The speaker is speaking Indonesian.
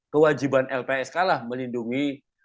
kewajiban lpsk lah melindungi